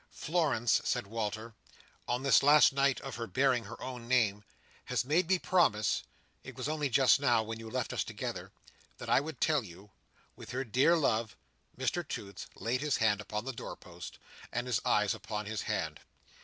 "Florence," said Walter, "on this last night of her bearing her own name, has made me promise—it was only just now, when you left us together—that I would tell you—with her dear love—" Mr Toots laid his hand upon the doorpost, and his eyes upon his hand.